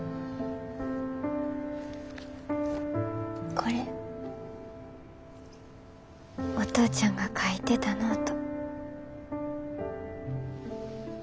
これお父ちゃんが書いてたノート。